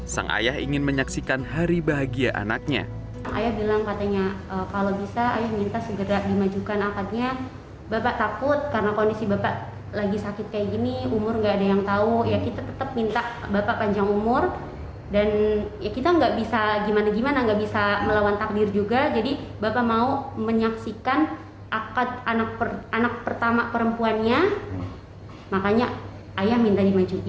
sang ayah ingin menyaksikan hari bahagia anaknya